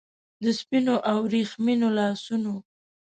د سپینو او وریښمینو لاسونو